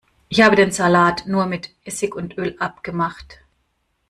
Ich hab den Salat nur mit Essig und Öl abgemacht.